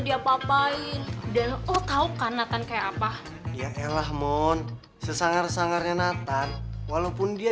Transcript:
diapa apain dan oh tahu kan nathan kayak apa ya elah mon sesangar sangarnya nathan walaupun dia